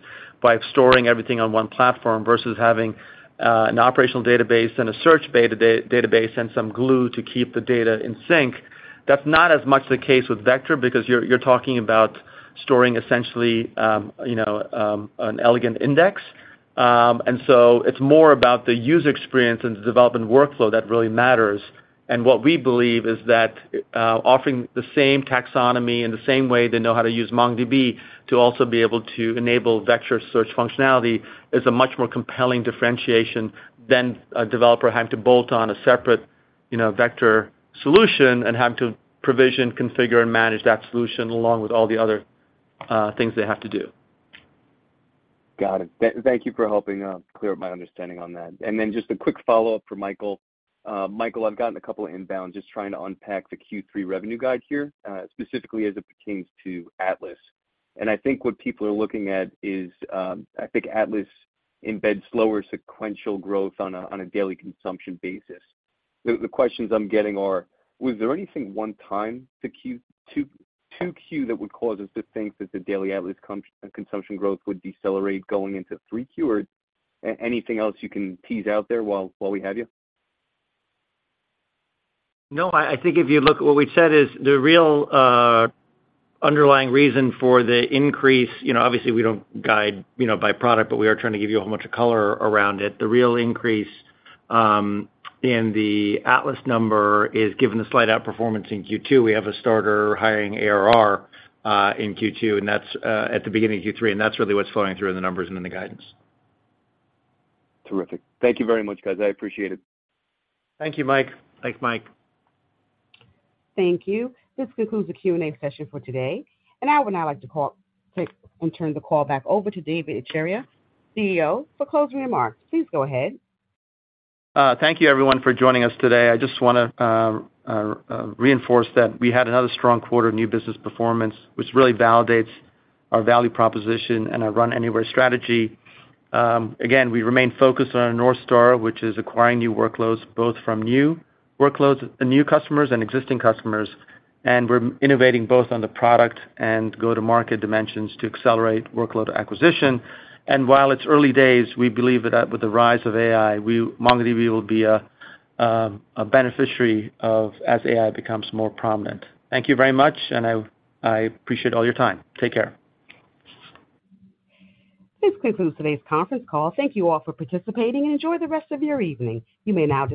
by storing everything on one platform versus having an operational database and a search database, and some glue to keep the data in sync. That's not as much the case with Vector, because you're talking about storing essentially, you know, an elegant index. And so it's more about the user experience and the development workflow that really matters. What we believe is that, offering the same taxonomy in the same way they know how to use MongoDB to also be able to enable vector search functionality, is a much more compelling differentiation than a developer having to bolt on a separate, you know, vector solution and have to provision, configure, and manage that solution along with all the other things they have to do. Got it. Thank you for helping clear up my understanding on that. And then just a quick follow-up for Michael. Michael, I've gotten a couple of inbounds just trying to unpack the Q3 revenue guide here, specifically as it pertains to Atlas. And I think what people are looking at is, I think Atlas embeds slower sequential growth on a daily consumption basis. The questions I'm getting are: Was there anything one-time to Q2 that would cause us to think that the daily Atlas consumption growth would decelerate going into 3Q? Or anything else you can tease out there while we have you? No, I, I think if you look, what we've said is the real underlying reason for the increase... You know, obviously, we don't guide, you know, by product, but we are trying to give you a whole bunch of color around it. The real increase in the Atlas number is, given the slight outperformance in Q2, we have a starter hiring ARR in Q2, and that's at the beginning of Q3, and that's really what's flowing through in the numbers and in the guidance. Terrific. Thank you very much, guys. I appreciate it. Thank you, Mike. Thanks, Mike. Thank you. This concludes the Q&A session for today, and I would now like to call and turn the call back over to Dev Ittycheria, CEO, for closing remarks. Please go ahead. Thank you, everyone, for joining us today. I just wanna reinforce that we had another strong quarter of new business performance, which really validates our value proposition and our Run Anywhere strategy. Again, we remain focused on our North Star, which is acquiring new workloads, both from new workloads, new customers and existing customers. We're innovating both on the product and go-to-market dimensions to accelerate workload acquisition. While it's early days, we believe that with the rise of AI, MongoDB will be a beneficiary as AI becomes more prominent. Thank you very much, and I appreciate all your time. Take care. This concludes today's conference call. Thank you all for participating, and enjoy the rest of your evening. You may now disconnect.